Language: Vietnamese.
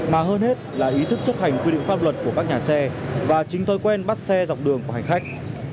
mà hơn hết là ý thức chấp hành quy định pháp luật của các nhà xe và chính thói quen bắt xe dọc đường của hành khách